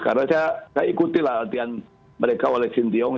karena saya ikuti latihan mereka oleh sintiung